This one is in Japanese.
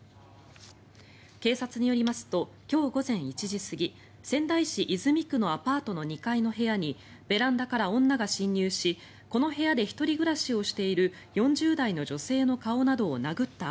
警察によりますと今日午前１時過ぎ仙台市泉区のアパートの２階の部屋にベランダから女が侵入しこの部屋で１人暮らしをしている４０代の女性の顔などを殴った